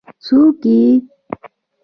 ـ څوک یې؟